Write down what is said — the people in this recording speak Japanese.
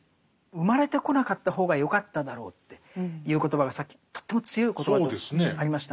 生まれてこなかった方がよかっただろうっていう言葉がさっきとっても強い言葉がありましたね。